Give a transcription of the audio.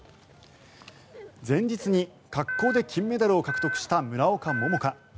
前日に滑降で金メダルを獲得した村岡桃佳。